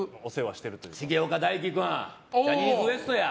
重岡大毅君ジャニーズＷＥＳＴや。